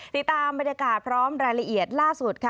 ติดตามบรรยากาศพร้อมรายละเอียดล่าสุดค่ะ